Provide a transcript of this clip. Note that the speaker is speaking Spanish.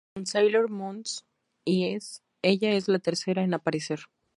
En "Sailor Moon S" ella es la tercera en aparecer.